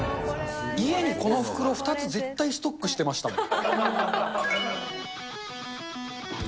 家にこの袋２つ絶対ストックしてましたもん。